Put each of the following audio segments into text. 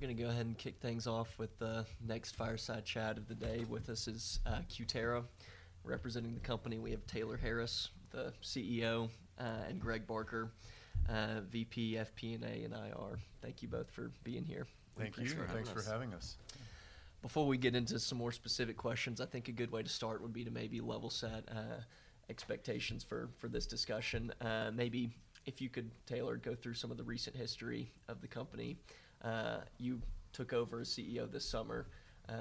We're gonna go ahead and kick things off with the next fireside chat of the day. With us is Cutera. Representing the company, we have Taylor Harris, the CEO, and Greg Barker, VP, FP&A and IR. Thank you both for being here. Thank you. Thank you. Thanks for having us. Before we get into some more specific questions, I think a good way to start would be to maybe level set, expectations for, for this discussion. Maybe if you could, Taylor, go through some of the recent history of the company. You took over as CEO this summer.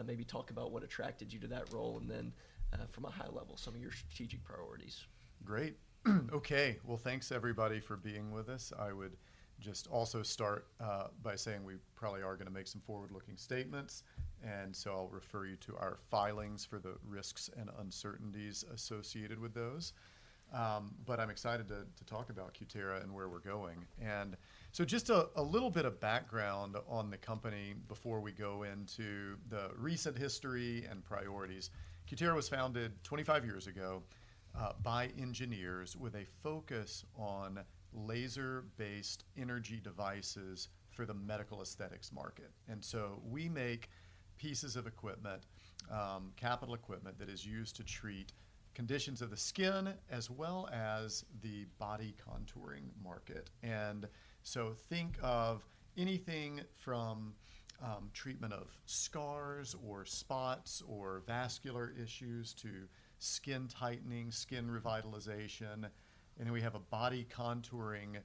Maybe talk about what attracted you to that role, and then, from a high level, some of your strategic priorities. Great. Okay. Well, thanks, everybody, for being with us. I would just also start by saying we probably are gonna make some forward-looking statements, and so I'll refer you to our filings for the risks and uncertainties associated with those. But I'm excited to talk about Cutera and where we're going. And so just a little bit of background on the company before we go into the recent history and priorities. Cutera was founded 25 years ago by engineers with a focus on laser-based energy devices for the medical aesthetics market. And so we make pieces of equipment, capital equipment that is used to treat conditions of the skin, as well as the body contouring market. And so think of anything from treatment of scars or spots or vascular issues, to skin tightening, skin revitalization, and then we have a body contouring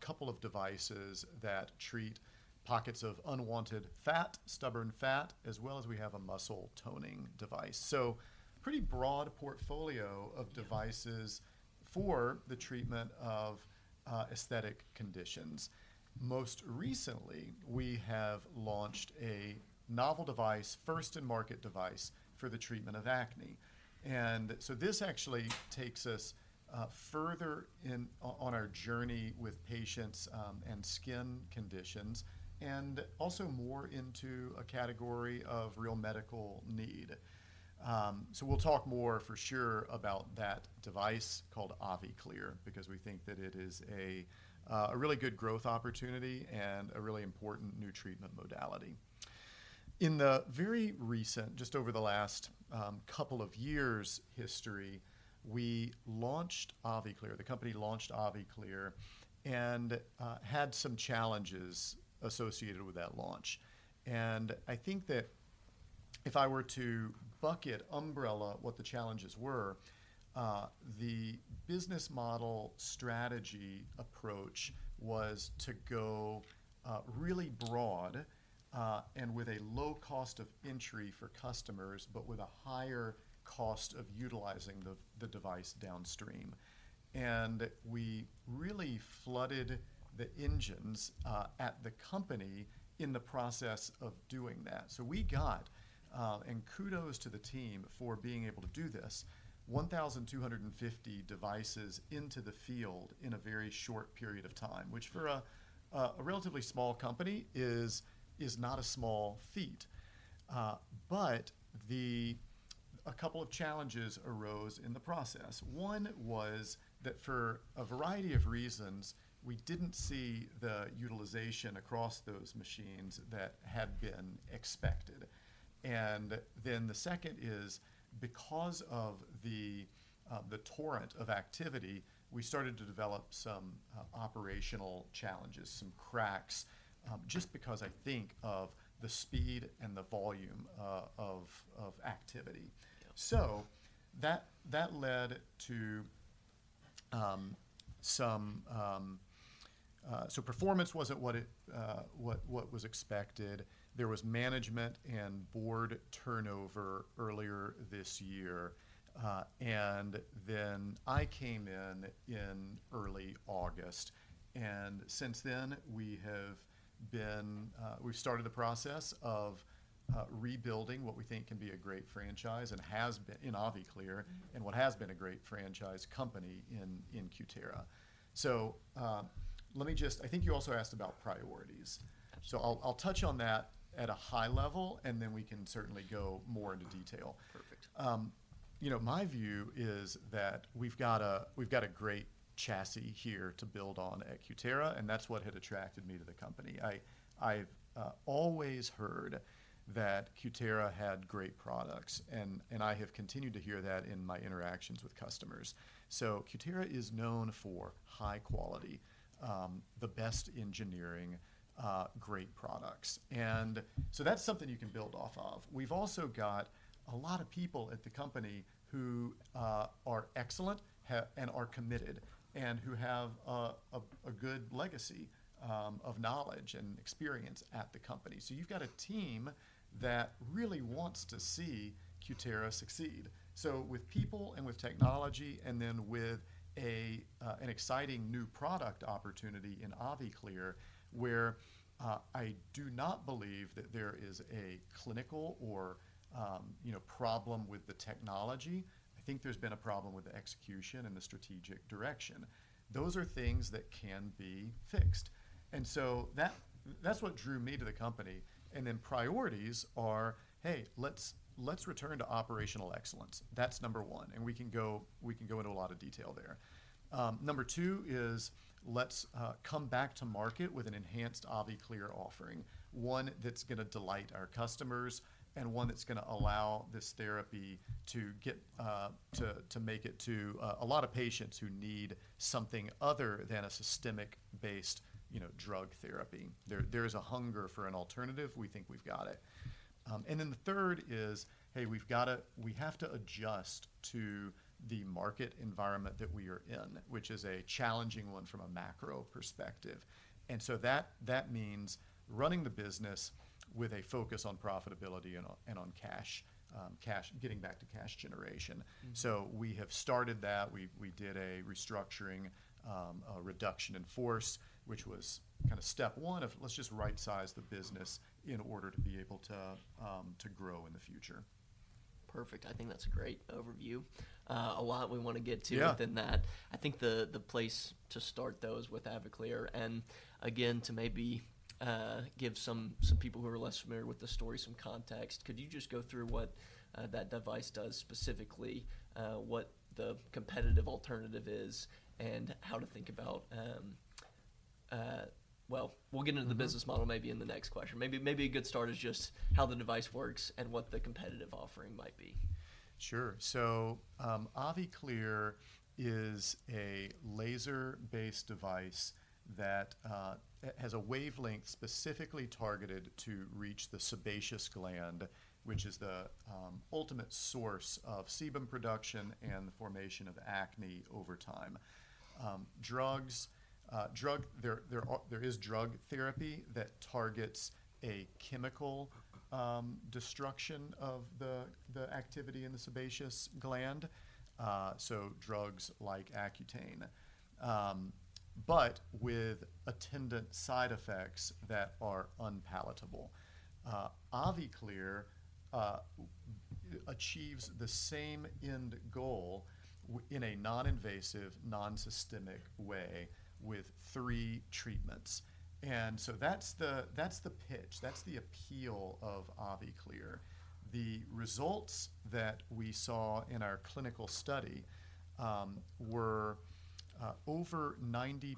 couple of devices that treat pockets of unwanted fat, stubborn fat, as well as we have a muscle toning device. So pretty broad portfolio of devices- Yeah... for the treatment of aesthetic conditions. Most recently, we have launched a novel device, first-in-market device, for the treatment of acne. And so this actually takes us further on our journey with patients and skin conditions, and also more into a category of real medical need. So we'll talk more for sure about that device called AviClear, because we think that it is a really good growth opportunity and a really important new treatment modality. In the very recent, just over the last couple of years' history, we launched AviClear. The company launched AviClear and had some challenges associated with that launch. And I think that if I were to bucket, umbrella, what the challenges were, the business model strategy approach was to go, really broad, and with a low cost of entry for customers, but with a higher cost of utilizing the device downstream. And we really flooded the engines at the company in the process of doing that. So we got, and kudos to the team for being able to do this, 1,250 devices into the field in a very short period of time, which for a relatively small company is not a small feat. But a couple of challenges arose in the process. One was that for a variety of reasons, we didn't see the utilization across those machines that had been expected. And then the second is because of the torrent of activity, we started to develop some operational challenges, some cracks, just because I think of the speed and the volume of activity. Yeah. So that led to some. So performance wasn't what it was expected. There was management and board turnover earlier this year, and then I came in in early August, and since then, we have been, we've started the process of rebuilding what we think can be a great franchise and has been, in AviClear- Mm-hmm... and what has been a great franchise company in Cutera. So, let me just, I think you also asked about priorities. Yeah. I'll, I'll touch on that at a high level, and then we can certainly go more into detail. Perfect. You know, my view is that we've got a great chassis here to build on at Cutera, and that's what had attracted me to the company. I've always heard that Cutera had great products, and I have continued to hear that in my interactions with customers. So Cutera is known for high quality, the best engineering, great products, and so that's something you can build off of. We've also got a lot of people at the company who are excellent and are committed, and who have a good legacy of knowledge and experience at the company. So you've got a team that really wants to see Cutera succeed. So with people and with technology, and then with a, an exciting new product opportunity in AviClear, where, I do not believe that there is a clinical or, you know, problem with the technology. I think there's been a problem with the execution and the strategic direction. Those are things that can be fixed, and so that, that's what drew me to the company.... and then priorities are, hey, let's, let's return to operational excellence. That's number one, and we can go, we can go into a lot of detail there. Number two is, let's, come back to market with an enhanced AviClear offering, one that's gonna delight our customers and one that's gonna allow this therapy to get, to, to make it to, a lot of patients who need something other than a systemic-based, you know, drug therapy. There is a hunger for an alternative. We think we've got it. And then the third is, hey, we have to adjust to the market environment that we are in, which is a challenging one from a macro perspective. And so that means running the business with a focus on profitability and on cash, getting back to cash generation. Mm-hmm. We have started that. We did a restructuring, a reduction in force, which was kinda step one of let's just right-size the business in order to be able to grow in the future. Perfect. I think that's a great overview. A lot we wanna get to- Yeah... within that. I think the place to start, though, is with AviClear, and again, to maybe give some people who are less familiar with the story some context. Could you just go through what that device does specifically, what the competitive alternative is, and how to think about... Well, we'll get into- Mm-hmm ...the business model maybe in the next question. Maybe, maybe a good start is just how the device works and what the competitive offering might be. Sure. So, AviClear is a laser-based device that it has a wavelength specifically targeted to reach the sebaceous gland, which is the ultimate source of sebum production and the formation of acne over time. There is drug therapy that targets a chemical destruction of the activity in the sebaceous gland, so drugs like Accutane, but with attendant side effects that are unpalatable. AviClear achieves the same end goal in a non-invasive, non-systemic way with three treatments. And so that's the pitch. That's the appeal of AviClear. The results that we saw in our clinical study were over 90%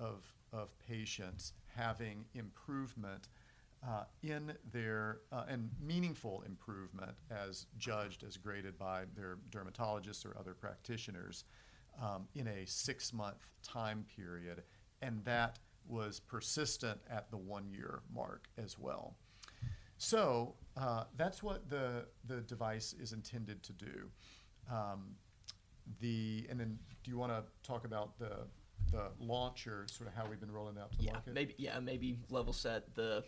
of patients having improvement in their... Meaningful improvement, as judged, as graded by their dermatologists or other practitioners, in a six-month time period, and that was persistent at the one-year mark as well. So, that's what the device is intended to do. And then, do you wanna talk about the launch or sort of how we've been rolling out to market? Yeah. Maybe level set the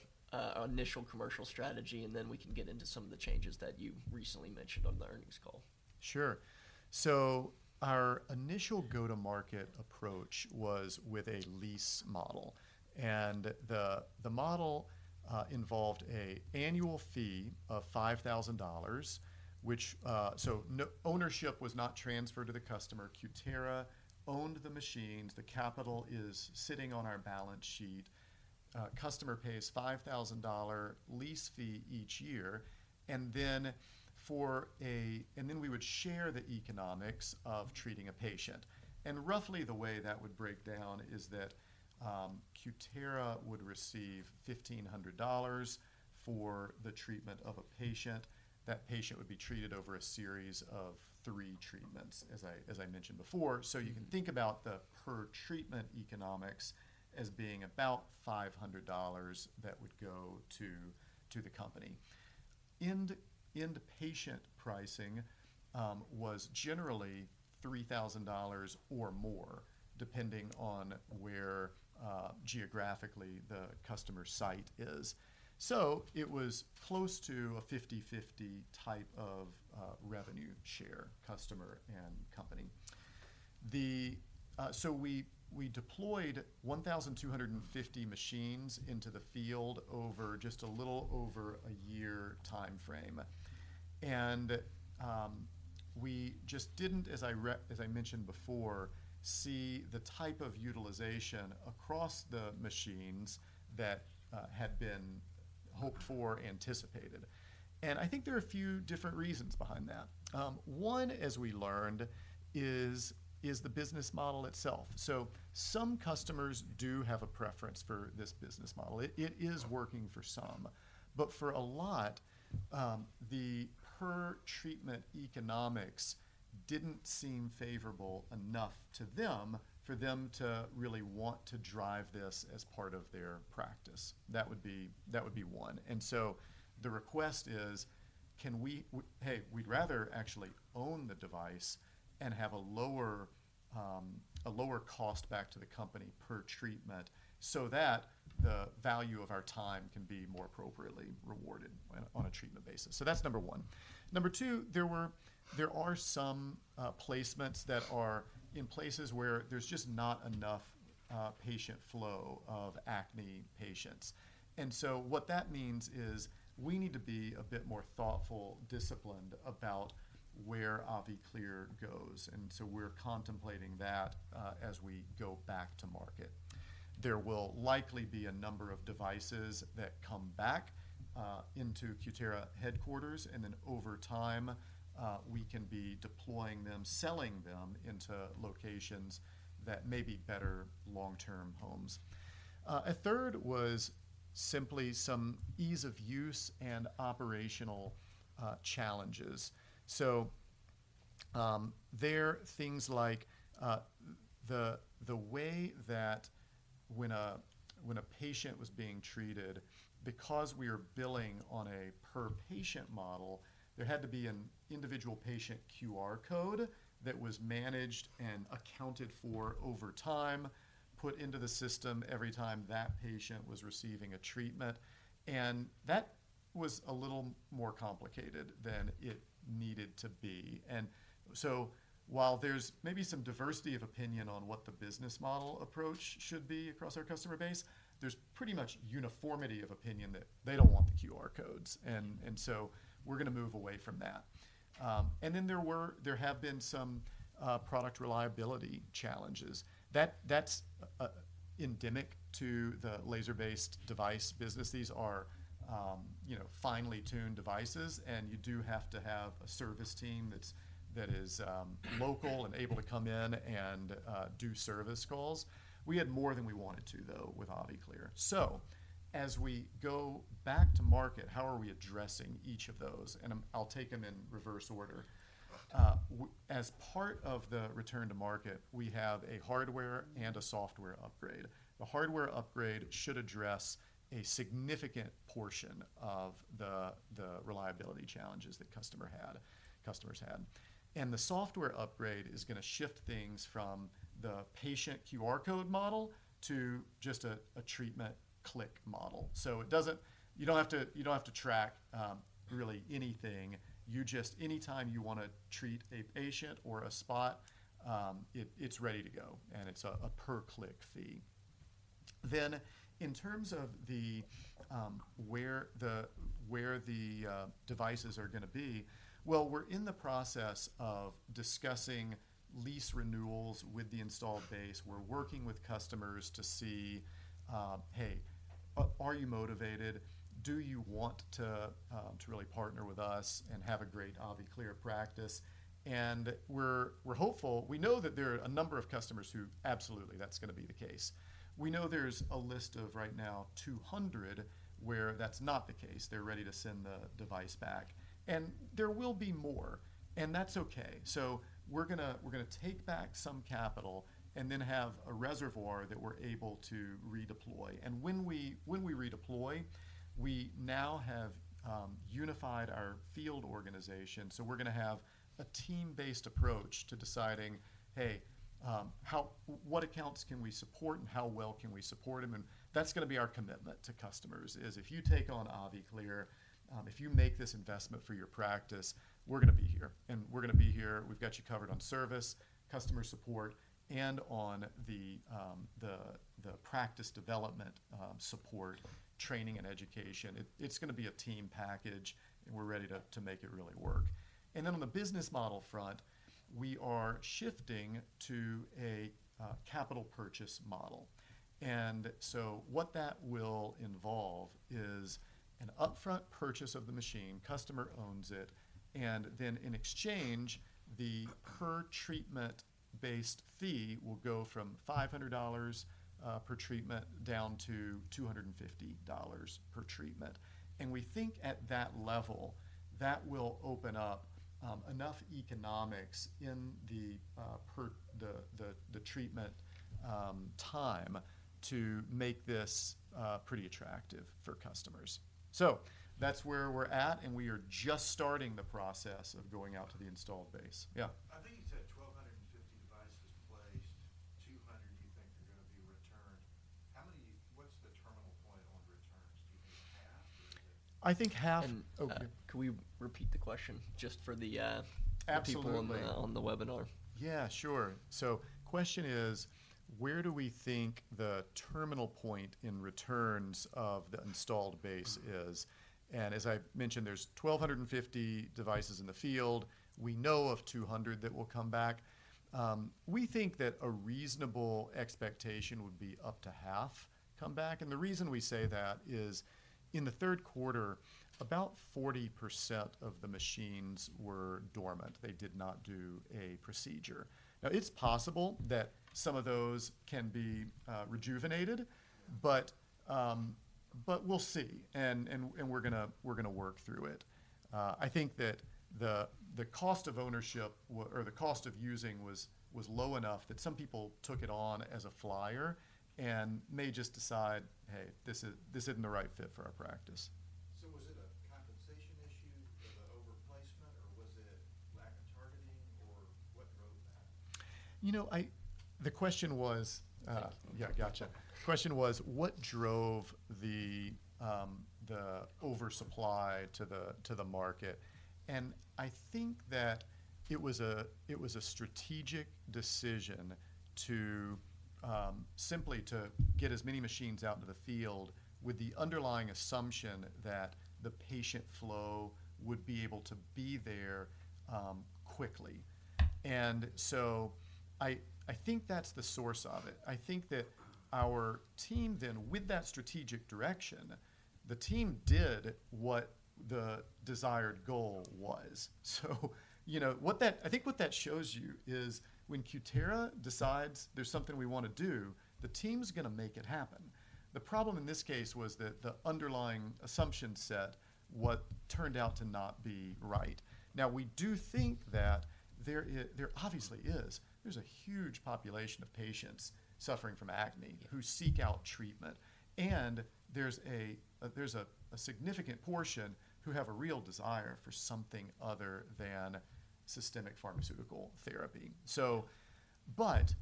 initial commercial strategy, and then we can get into some of the changes that you recently mentioned on the earnings call. Sure. So our initial go-to-market approach was with a lease model, and the model involved an annual fee of $5,000, which. So no ownership was transferred to the customer. Cutera owned the machines. The capital is sitting on our balance sheet. Customer pays $5,000 lease fee each year, and then we would share the economics of treating a patient. And roughly, the way that would break down is that, Cutera would receive $1,500 for the treatment of a patient. That patient would be treated over a series of three treatments, as I, as I mentioned before. Mm-hmm. So you can think about the per-treatment economics as being about $500 that would go to the company. End patient pricing was generally $3,000 or more, depending on where geographically the customer site is. So it was close to a 50/50 type of revenue share, customer and company. So we deployed 1,250 machines into the field over just a little over a year timeframe. And we just didn't, as I mentioned before, see the type of utilization across the machines that had been hoped for, anticipated. And I think there are a few different reasons behind that. One, as we learned, is the business model itself. So some customers do have a preference for this business model. It is working for some, but for a lot, the per-treatment economics didn't seem favorable enough to them, for them to really want to drive this as part of their practice. That would be one. And so the request is, can we... "Hey, we'd rather actually own the device and have a lower, a lower cost back to the company per treatment, so that the value of our time can be more appropriately rewarded on a treatment basis." So that's number one. Number two, there are some placements that are in places where there's just not enough patient flow of acne patients. And so what that means is we need to be a bit more thoughtful, disciplined about where AviClear goes, and so we're contemplating that as we go back to market. There will likely be a number of devices that come back into Cutera headquarters, and then over time, we can be deploying them, selling them into locations that may be better long-term homes. A third was simply some ease of use and operational challenges. So, they're things like the way that when a patient was being treated, because we are billing on a per-patient model, there had to be an individual patient QR code that was managed and accounted for over time, put into the system every time that patient was receiving a treatment, and that was a little more complicated than it needed to be. And so while there's maybe some diversity of opinion on what the business model approach should be across our customer base, there's pretty much uniformity of opinion that they don't want the QR codes. And so we're gonna move away from that. And then there have been some product reliability challenges. That's endemic to the laser-based device business. These are, you know, finely tuned devices, and you do have to have a service team that's that is local and able to come in and do service calls. We had more than we wanted to, though, with AviClear. So as we go back to market, how are we addressing each of those? I'll take them in reverse order. As part of the return to market, we have a hardware and a software upgrade. The hardware upgrade should address a significant portion of the reliability challenges that customer had, customers had. The software upgrade is gonna shift things from the patient QR code model to just a treatment click model. So it doesn't. You don't have to track really anything. You just. Anytime you wanna treat a patient or a spot, it's ready to go, and it's a per-click fee. In terms of where the devices are gonna be, well, we're in the process of discussing lease renewals with the installed base. We're working with customers to see: Hey, are you motivated? Do you want to really partner with us and have a great AviClear practice? And we're hopeful. We know that there are a number of customers who absolutely, that's gonna be the case. We know there's a list of, right now, 200, where that's not the case. They're ready to send the device back. There will be more, and that's okay. We're gonna, we're gonna take back some capital and then have a reservoir that we're able to redeploy. And when we, when we redeploy, we now have unified our field organization, so we're gonna have a team-based approach to deciding, "Hey, what accounts can we support, and how well can we support them?" And that's gonna be our commitment to customers, is if you take on AviClear, if you make this investment for your practice, we're gonna be here, and we're gonna be here... We've got you covered on service, customer support, and on the practice development support, training, and education. It's gonna be a team package, and we're ready to, to make it really work. Then on the business model front, we are shifting to a capital purchase model. So what that will involve is an upfront purchase of the machine, customer owns it, and then in exchange, the per treatment-based fee will go from $500 per treatment down to $250 per treatment. We think at that level, that will open up enough economics in the per treatment time to make this pretty attractive for customers. So that's where we're at, and we are just starting the process of going out to the installed base. Yeah? I think you said 1,250 devices placed, 200 you think are gonna be returned. I think half- Could we repeat the question just for the, Absolutely... the people on the webinar? Yeah, sure. So question is: Where do we think the terminal point in returns of the installed base is? Mm-hmm. As I mentioned, there's 1,250 devices in the field. We know of 200 that will come back. We think that a reasonable expectation would be up to half come back, and the reason we say that is in the third quarter, about 40% of the machines were dormant. They did not do a procedure. Now, it's possible that some of those can be rejuvenated, but we'll see, and we're gonna work through it. I think that the cost of ownership or the cost of using was low enough that some people took it on as a flyer and may just decide, "Hey, this is, this isn't the right fit for our practice. So was it a compensation issue or the overplacement, or was it lack of targeting, or what drove that? You know, I... The question was- Yeah, gotcha. The question was: What drove the oversupply to the market? And I think that it was a strategic decision to simply get as many machines out into the field with the underlying assumption that the patient flow would be able to be there quickly. And so I think that's the source of it. I think that our team then, with that strategic direction, the team did what the desired goal was. So you know, what that—I think what that shows you is when Cutera decides there's something we wanna do, the team's gonna make it happen. The problem in this case was that the underlying assumption set what turned out to not be right. Now, we do think that there obviously is, there's a huge population of patients suffering from acne- Yeah... who seek out treatment, and there's a significant portion who have a real desire for something other than systemic pharmaceutical therapy. But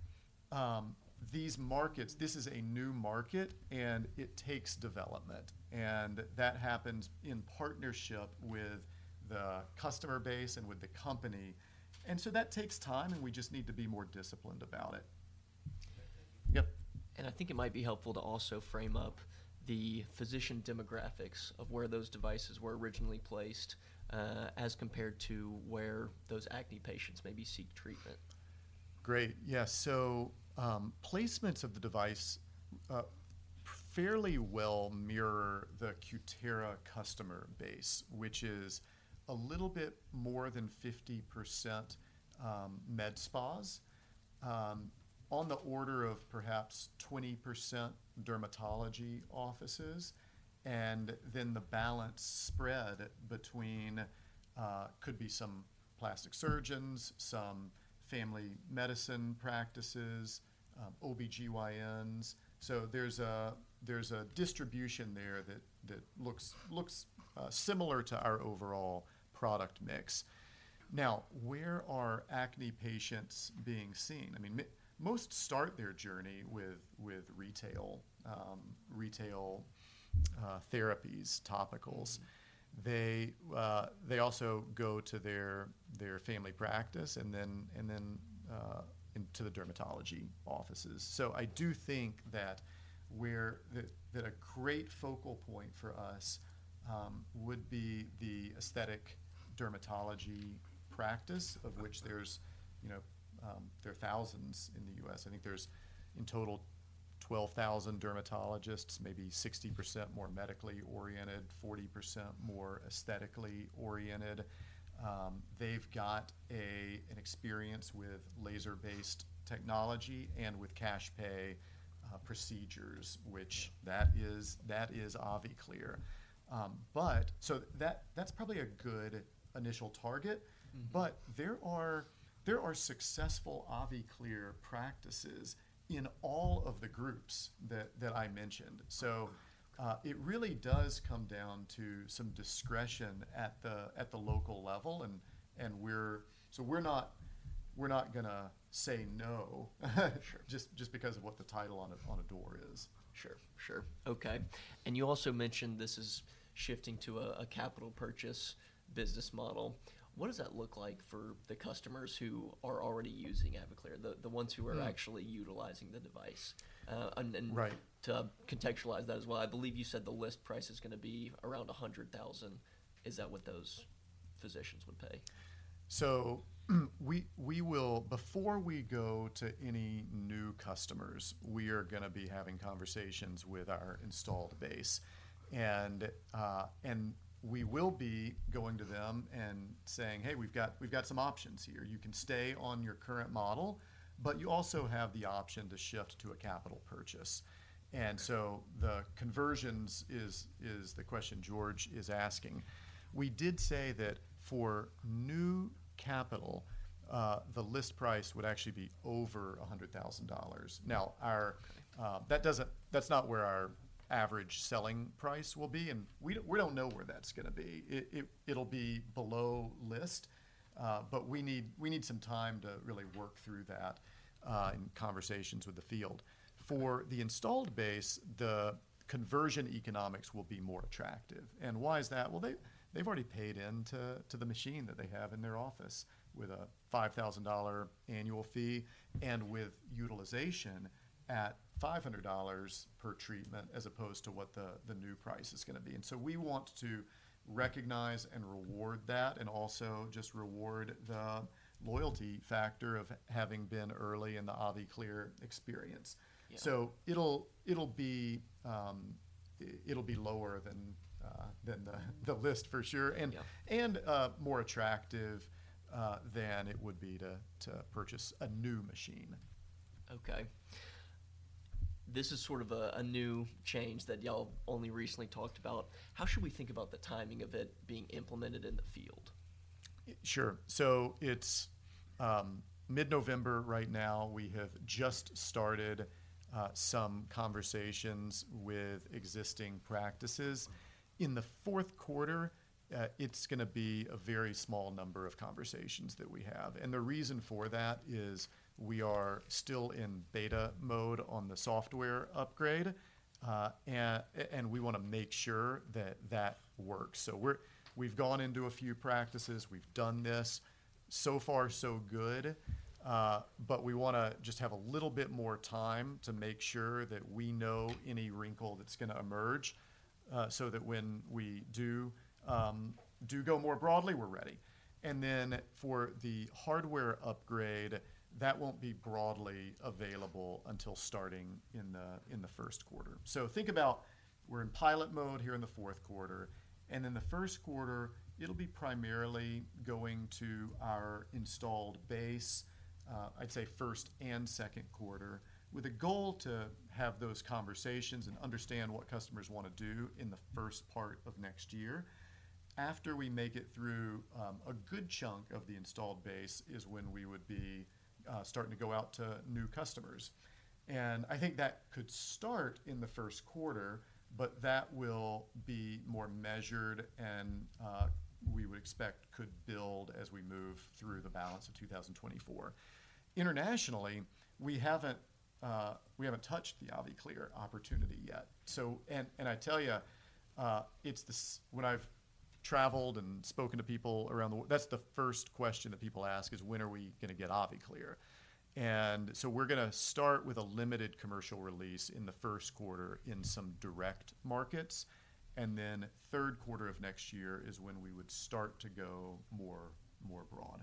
these markets, this is a new market, and it takes development, and that happens in partnership with the customer base and with the company. And so that takes time, and we just need to be more disciplined about it. Thank you. Yep. I think it might be helpful to also frame up the physician demographics of where those devices were originally placed, as compared to where those acne patients maybe seek treatment. Great. Yeah. So, placements of the device fairly well mirror the Cutera customer base, which is a little bit more than 50%, med spas, on the order of perhaps 20% dermatology offices, and then the balance spread between could be some plastic surgeons, some family medicine practices, OB-GYNs. So there's a distribution there that looks similar to our overall product mix. Now, where are acne patients being seen? I mean, most start their journey with retail therapies, topicals. They also go to their family practice, and then into the dermatology offices. So I do think that a great focal point for us would be the aesthetic dermatology practice- Mm-hmm... of which there's, you know, there are thousands in the U.S. I think there's, in total, 12,000 dermatologists, maybe 60% more medically oriented, 40% more aesthetically oriented. They've got an experience with laser-based technology and with cash pay procedures, which that is, that is AviClear. But so that, that's probably a good initial target. Mm-hmm. But there are successful AviClear practices in all of the groups that I mentioned. So, it really does come down to some discretion at the local level, and we're... So we're not gonna say no, Sure. just because of what the title on a door is. Sure, sure. Okay. And you also mentioned this is shifting to a capital purchase business model. What does that look like for the customers who are already using AviClear, the ones who are- Yeah... actually utilizing the device? And, and- Right... to contextualize that as well, I believe you said the list price is gonna be around $100,000. Is that what those physicians would pay? So we will. Before we go to any new customers, we are gonna be having conversations with our installed base, and we will be going to them and saying, "Hey, we've got, we've got some options here. You can stay on your current model, but you also have the option to shift to a capital purchase. Okay. So the conversions is the question George is asking. We did say that for new capital, the list price would actually be over $100,000. Mm. Now, that's not where our average selling price will be, and we don't know where that's gonna be. It'll be below list, but we need some time to really work through that in conversations with the field. Right. For the installed base, the conversion economics will be more attractive. Why is that? Well, they've already paid into the machine that they have in their office with a $5,000 annual fee and with utilization at $500 per treatment, as opposed to what the new price is gonna be. So we want to recognize and reward that, and also just reward the loyalty factor of having been early in the AviClear experience. Yeah. So it'll be lower than the list, for sure- Yeah... and more attractive than it would be to purchase a new machine. Okay. This is sort of a new change that y'all only recently talked about. How should we think about the timing of it being implemented in the field? Sure. So it's mid-November right now. We have just started some conversations with existing practices. In the fourth quarter, it's gonna be a very small number of conversations that we have, and the reason for that is we are still in beta mode on the software upgrade, and we wanna make sure that that works. So we've gone into a few practices. We've done this. So far, so good. But we wanna just have a little bit more time to make sure that we know any wrinkle that's gonna emerge, so that when we do do go more broadly, we're ready. And then for the hardware upgrade, that won't be broadly available until starting in the first quarter. So think about, we're in pilot mode here in the fourth quarter, and in the first quarter, it'll be primarily going to our installed base. I'd say first and second quarter, with a goal to have those conversations and understand what customers wanna do in the first part of next year. After we make it through a good chunk of the installed base, is when we would be starting to go out to new customers. And I think that could start in the first quarter, but that will be more measured and we would expect could build as we move through the balance of 2024. Internationally, we haven't, we haven't touched the AviClear opportunity yet. So... And I tell you, it's when I've traveled and spoken to people around the world, that's the first question that people ask: When are we gonna get AviClear? And so we're gonna start with a limited commercial release in the first quarter in some direct markets, and then third quarter of next year is when we would start to go more broad.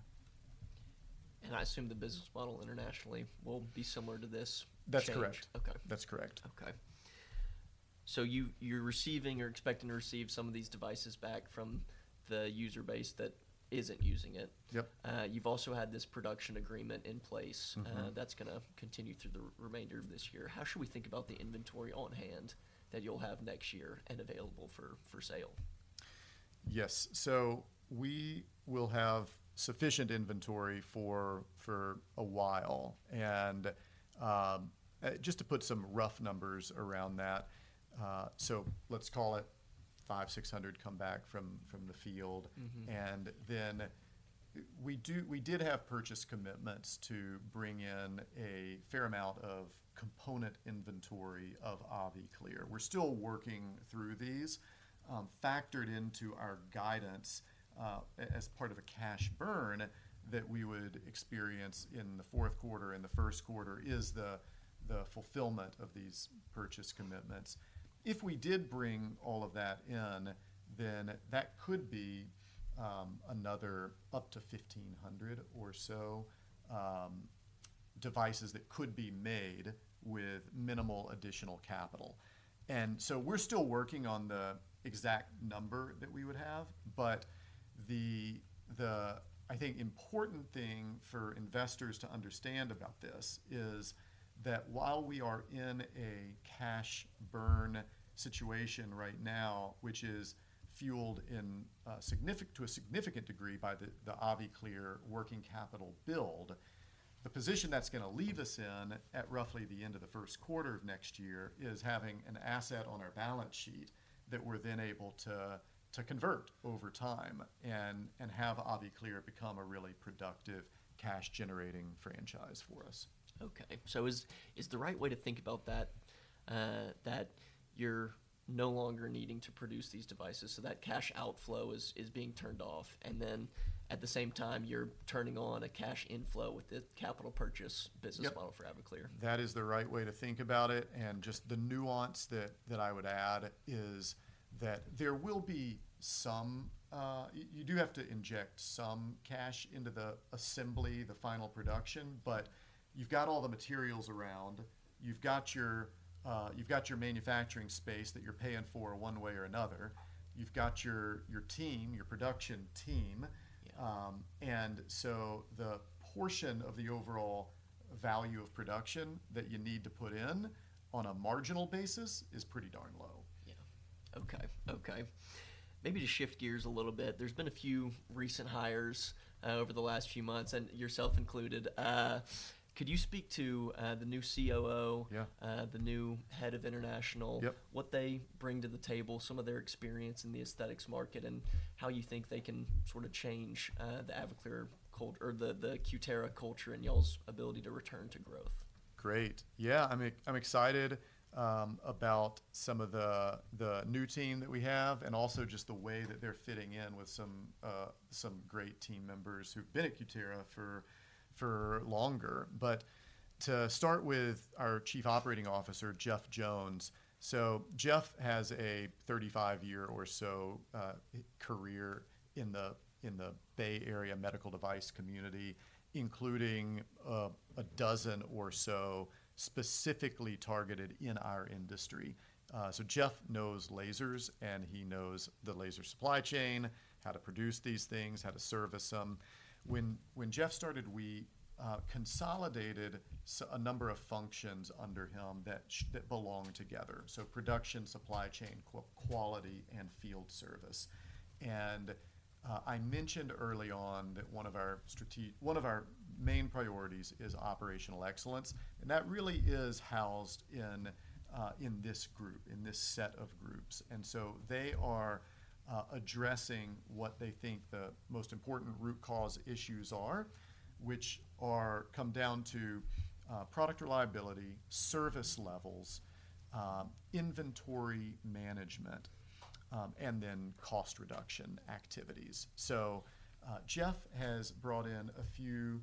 I assume the business model internationally will be similar to this change? That's correct. Okay. That's correct. Okay. So you're receiving or expecting to receive some of these devices back from the user base that isn't using it? Yep. You've also had this production agreement in place. Mm-hmm. That's gonna continue through the remainder of this year. How should we think about the inventory on hand that you'll have next year and available for sale? Yes. So we will have sufficient inventory for a while. And just to put some rough numbers around that, so let's call it 500-600 come back from the field. Mm-hmm. And then, we did have purchase commitments to bring in a fair amount of component inventory of AviClear. We're still working through these, factored into our guidance, as part of a cash burn that we would experience in the fourth quarter and the first quarter, is the fulfillment of these purchase commitments. If we did bring all of that in, then that could be another up to 1,500 or so devices that could be made with minimal additional capital. And so we're still working on the exact number that we would have, but the I think important thing for investors to understand about this is that while we are in a cash burn situation right now, which is fueled in a significant... to a significant degree by the AviClear working capital build, the position that's gonna leave us in, at roughly the end of the first quarter of next year, is having an asset on our balance sheet that we're then able to convert over time and have AviClear become a really productive cash-generating franchise for us. Okay. So is the right way to think about that, that you're no longer needing to produce these devices, so that cash outflow is being turned off, and then, at the same time, you're turning on a cash inflow with the capital purchase- Yep... business model for AviClear? That is the right way to think about it, and just the nuance that, that I would add is that there will be some you do have to inject some cash into the assembly, the final production, but you've got all the materials around. You've got your you've got your manufacturing space that you're paying for one way or another. You've got your, your team, your production team. Yeah. And so the portion of the overall value of production that you need to put in, on a marginal basis, is pretty darn low. Yeah. Okay, okay. Maybe to shift gears a little bit, there's been a few recent hires over the last few months, and yourself included. Could you speak to the new COO- Yeah... the new head of international- Yep... what they bring to the table, some of their experience in the aesthetics market, and how you think they can sort of change the Cutera culture and y'all's ability to return to growth? Great. Yeah, I'm excited about some of the new team that we have and also just the way that they're fitting in with some great team members who've been at Cutera for longer. But to start with our Chief Operating Officer, Jeff Jones. So Jeff has a 35-year or so career in the Bay Area medical device community, including a dozen or so specifically targeted in our industry. So Jeff knows lasers, and he knows the laser supply chain, how to produce these things, how to service them. When Jeff started, we consolidated a number of functions under him that belonged together, so production, supply chain, quality, and field service. I mentioned early on that one of our main priorities is operational excellence, and that really is housed in this group, in this set of groups. So they are addressing what they think the most important root cause issues are, which come down to product reliability, service levels, inventory management, and then cost reduction activities. So Jeff has brought in a few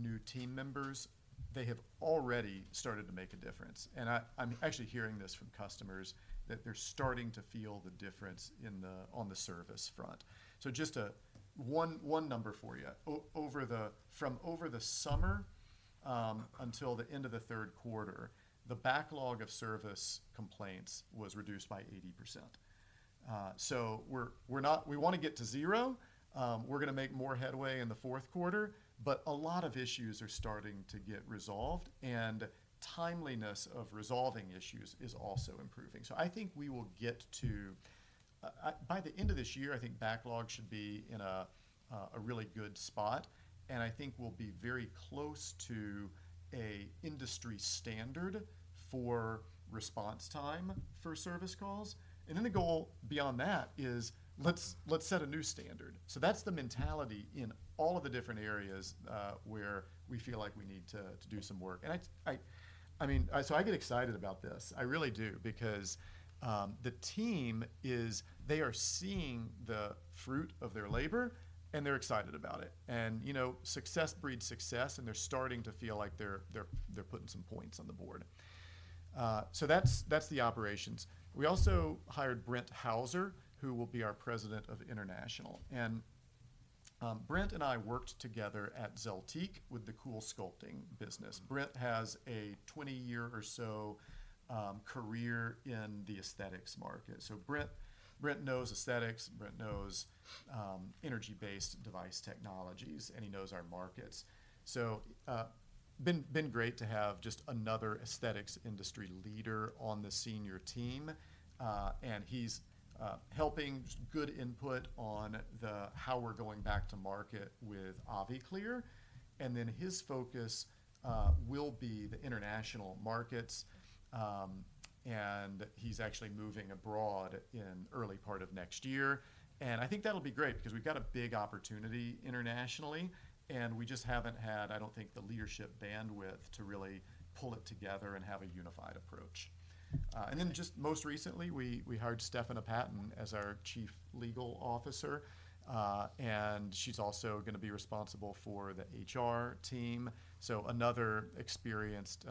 new team members. They have already started to make a difference, and I'm actually hearing this from customers, that they're starting to feel the difference on the service front. So just one number for you. Over the summer until the end of the third quarter, the backlog of service complaints was reduced by 80%. So we're not—we wanna get to zero, we're gonna make more headway in the fourth quarter, but a lot of issues are starting to get resolved, and timeliness of resolving issues is also improving. So I think we will get to by the end of this year, I think backlog should be in a really good spot, and I think we'll be very close to a industry standard for response time for service calls. And then the goal beyond that is, let's set a new standard. So that's the mentality in all of the different areas where we feel like we need to do some work. And I mean, so I get excited about this. I really do, because the team is... They are seeing the fruit of their labor, and they're excited about it. You know, success breeds success, and they're starting to feel like they're putting some points on the board. So that's the operations. We also hired Brent Hauser, who will be our President, International. Brent and I worked together at Zeltiq with the CoolSculpting business. Brent has a 20-year or so career in the aesthetics market. So Brent knows aesthetics, Brent knows energy-based device technologies, and he knows our markets. So it's been great to have just another aesthetics industry leader on the senior team, and he's helping good input on how we're going back to market with AviClear. Then his focus will be the international markets, and he's actually moving abroad in the early part of next year. And I think that'll be great because we've got a big opportunity internationally, and we just haven't had, I don't think, the leadership bandwidth to really pull it together and have a unified approach. And then just most recently, we hired Stephana Patton as our Chief Legal Officer, and she's also gonna be responsible for the HR team, so another experienced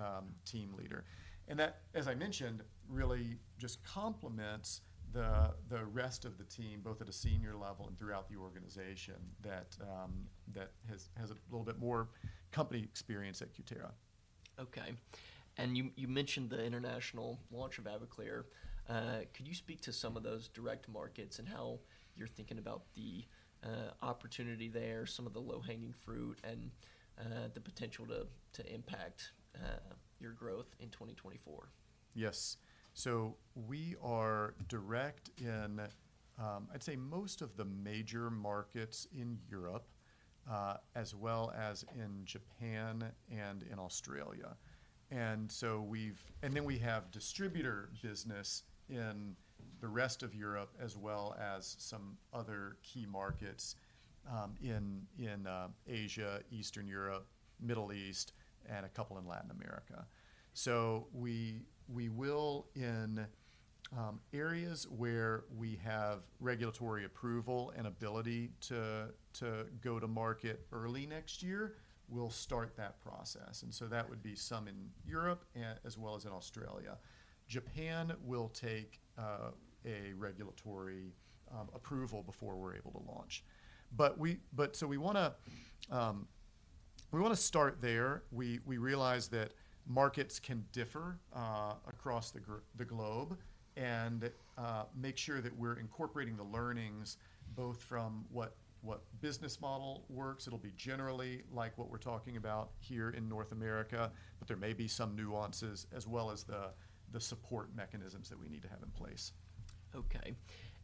team leader. And that, as I mentioned, really just complements the rest of the team, both at a senior level and throughout the organization, that has a little bit more company experience at Cutera. Okay. And you mentioned the international launch of AviClear. Could you speak to some of those direct markets and how you're thinking about the opportunity there, some of the low-hanging fruit, and the potential to impact your growth in 2024? Yes. So we are direct in, I'd say, most of the major markets in Europe, as well as in Japan and in Australia. And then we have distributor business in the rest of Europe, as well as some other key markets in Asia, Eastern Europe, Middle East, and a couple in Latin America. So we will, in areas where we have regulatory approval and ability to go to market early next year, we'll start that process, and so that would be some in Europe, as well as in Australia. Japan will take a regulatory approval before we're able to launch. But so we wanna start there. We realize that markets can differ across the globe, and make sure that we're incorporating the learnings both from what business model works. It'll be generally like what we're talking about here in North America, but there may be some nuances as well as the support mechanisms that we need to have in place. Okay.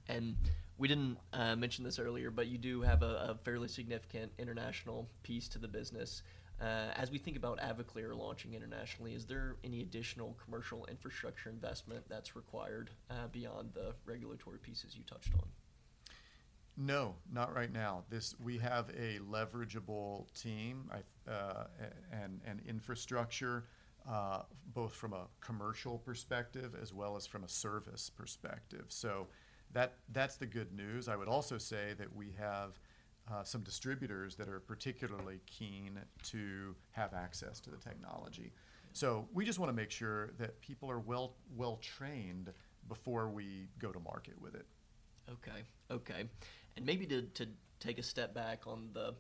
And we didn't mention this earlier, but you do have a fairly significant international piece to the business. As we think about AviClear launching internationally, is there any additional commercial infrastructure investment that's required beyond the regulatory pieces you touched on? No, not right now. This—we have a leverageable team, and infrastructure, both from a commercial perspective as well as from a service perspective. So that's the good news. I would also say that we have some distributors that are particularly keen to have access to the technology. So we just wanna make sure that people are well-trained before we go to market with it. Okay. Okay. And maybe to take a step back on the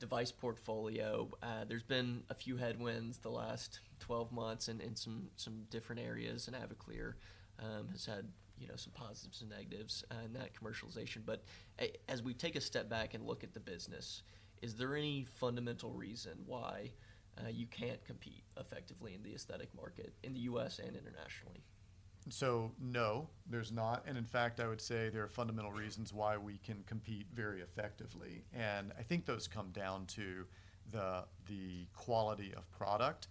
device portfolio, there's been a few headwinds the last 12 months and in some, some different areas, and AviClear has had, you know, some positives and negatives in that commercialization. But as we take a step back and look at the business, is there any fundamental reason why you can't compete effectively in the aesthetic market, in the U.S. and internationally? So no, there's not, and in fact, I would say there are fundamental reasons why we can compete very effectively. And I think those come down to the quality of product,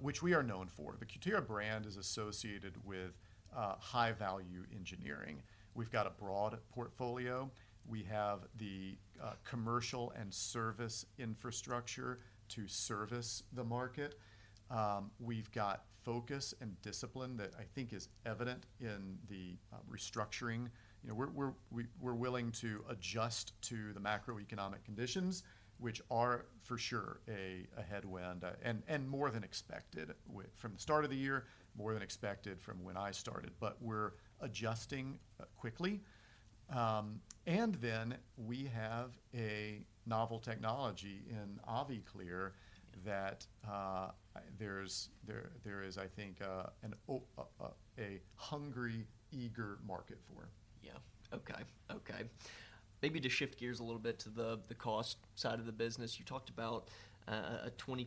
which we are known for. The Cutera brand is associated with high-value engineering. We've got a broad portfolio. We have the commercial and service infrastructure to service the market. We've got focus and discipline that I think is evident in the restructuring. You know, we're willing to adjust to the macroeconomic conditions, which are for sure a headwind, and more than expected from the start of the year, more than expected from when I started, but we're adjusting quickly. And then we have a novel technology in AviClear that there is, I think, a hungry, eager market for. Yeah. Okay. Okay. Maybe to shift gears a little bit to the cost side of the business. You talked about a 25%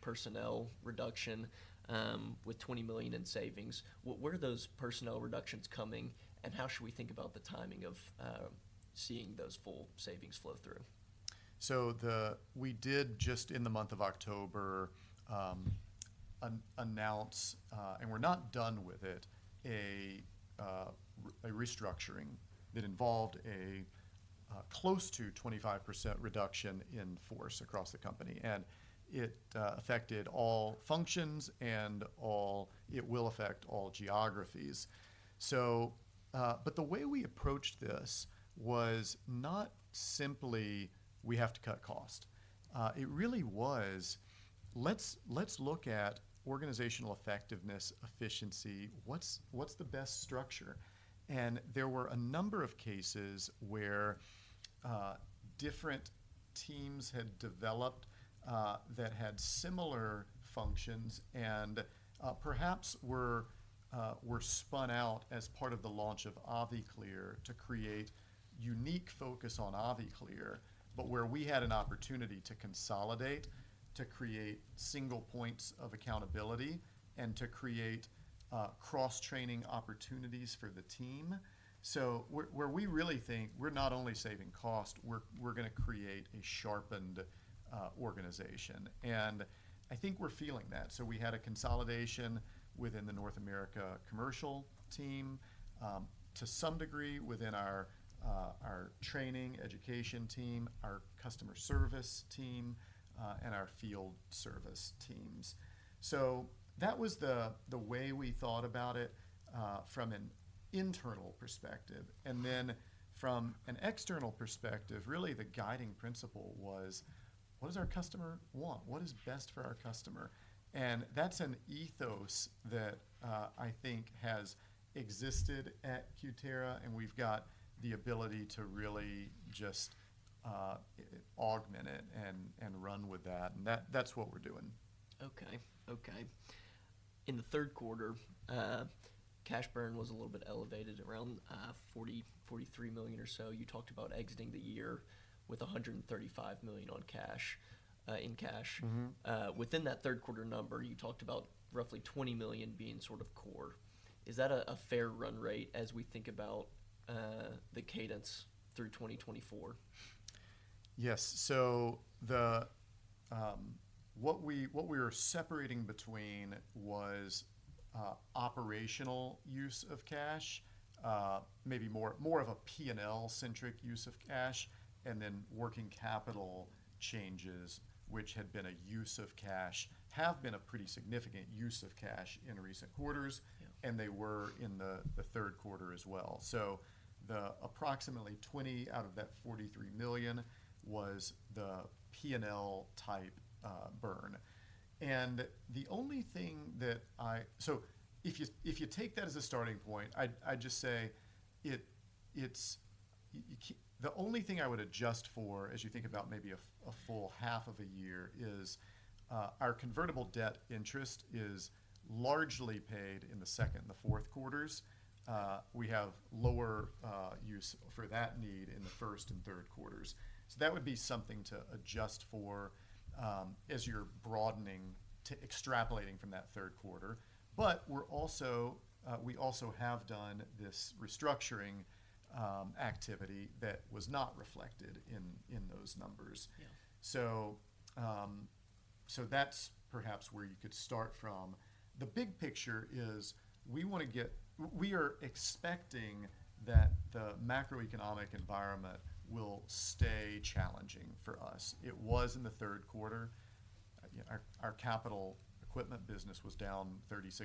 personnel reduction with $20 million in savings. Where are those personnel reductions coming, and how should we think about the timing of seeing those full savings flow through? So we did just in the month of October announce, and we're not done with it, a restructuring that involved a close to 25% reduction in force across the company, and it affected all functions and all, it will affect all geographies. But the way we approached this was not simply we have to cut cost. It really was, let's, let's look at organizational effectiveness, efficiency. What's, what's the best structure? And there were a number of cases where different teams had developed that had similar functions and perhaps were spun out as part of the launch of AviClear to create unique focus on AviClear, but where we had an opportunity to consolidate, to create single points of accountability, and to create cross-training opportunities for the team. So where we really think we're not only saving cost, we're gonna create a sharpened organization. And I think we're feeling that. So we had a consolidation within the North America commercial team, to some degree, within our training education team, our customer service team, and our field service teams. So that was the way we thought about it, from an internal perspective. And then from an external perspective, really, the guiding principle was: What does our customer want? What is best for our customer? And that's an ethos that I think has existed at Cutera, and we've got the ability to really just augment it and run with that. And that's what we're doing. Okay. Okay. In the third quarter, cash burn was a little bit elevated, around 40, 43 million or so. You talked about exiting the year with $135 million on cash, in cash. Mm-hmm. Within that third quarter number, you talked about roughly $20 million being sort of core. Is that a fair run rate as we think about the cadence through 2024? Yes. So what we were separating between was operational use of cash, maybe more of a P&L-centric use of cash, and then working capital changes, which had been a use of cash, have been a pretty significant use of cash in recent quarters- Yeah... and they were in the third quarter as well. So the approximately $20 out of that $43 million was the P&L type burn. And the only thing that so if you, if you take that as a starting point, I'd just say it, the only thing I would adjust for, as you think about maybe a full half of a year, is our convertible debt interest is largely paid in the second and the fourth quarters. We have lower use for that need in the first and third quarters. So that would be something to adjust for, as you're broadening to extrapolating from that third quarter. But we're also, we also have done this restructuring activity that was not reflected in those numbers. Yeah. So, so that's perhaps where you could start from. The big picture is we wanna get... we are expecting that the macroeconomic environment will stay challenging for us. It was in the third quarter. Our capital equipment business was down 36%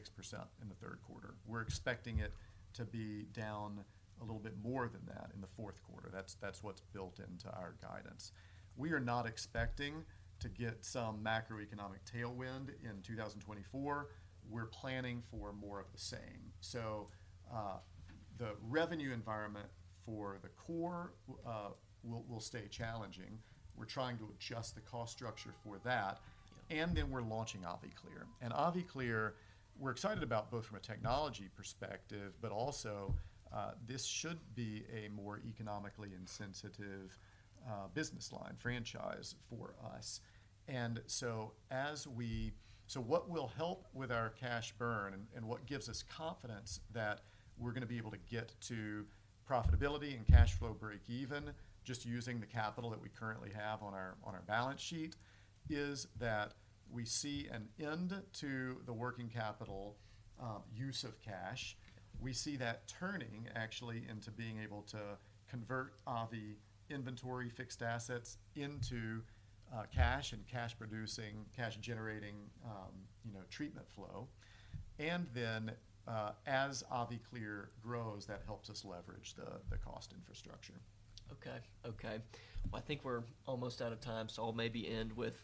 in the third quarter. We're expecting it to be down a little bit more than that in the fourth quarter. That's what's built into our guidance. We are not expecting to get some macroeconomic tailwind in 2024. We're planning for more of the same. So, the revenue environment for the core will stay challenging. We're trying to adjust the cost structure for that- Yeah... and then we're launching AviClear. And AviClear, we're excited about both from a technology perspective, but also, this should be a more economically insensitive business line franchise for us. So what will help with our cash burn and what gives us confidence that we're gonna be able to get to profitability and cash flow break even, just using the capital that we currently have on our balance sheet, is that we see an end to the working capital use of cash. We see that turning actually into being able to convert the inventory fixed assets into cash and cash producing, cash generating, you know, treatment flow. And then, as AviClear grows, that helps us leverage the cost infrastructure. Okay. Okay. I think we're almost out of time, so I'll maybe end with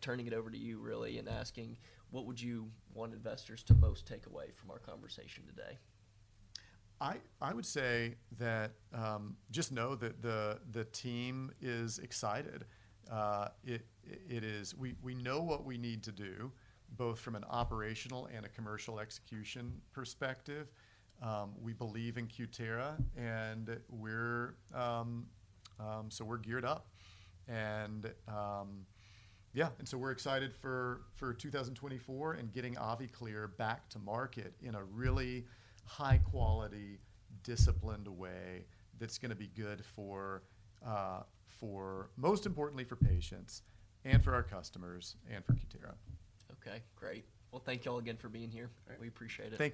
turning it over to you, really, and asking: What would you want investors to most take away from our conversation today? I would say that just know that the team is excited. It is. We know what we need to do, both from an operational and a commercial execution perspective. We believe in Cutera, and we're geared up. And so we're excited for 2024 and getting AviClear back to market in a really high-quality, disciplined way that's gonna be good for, most importantly, for patients and for our customers, and for Cutera. Okay, great. Well, thank you all again for being here. All right. We appreciate it.